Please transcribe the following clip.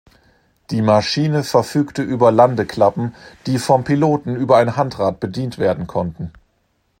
Die Maschine verfügte über Landeklappen, die vom Piloten über ein Handrad bedient werden konnten.